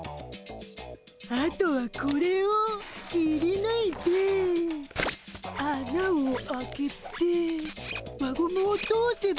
あとはこれをきりぬいてあなを開けて輪ゴムを通せば。